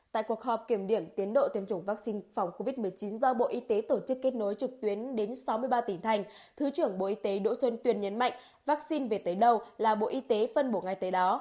tại cuộc họp kiểm điểm tiến độ tiêm chủng vaccine phòng covid một mươi chín do bộ y tế tổ chức kết nối trực tuyến đến sáu mươi ba tỉnh thành thứ trưởng bộ y tế đỗ xuân tuyên nhấn mạnh vaccine về tới đâu là bộ y tế phân bổ ngay tới đó